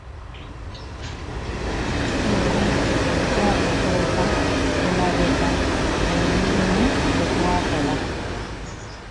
Era kye tujja okuleka emabega gy'emirimu gye twakola